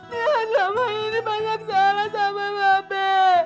dia selama ini banyak salah sama mama be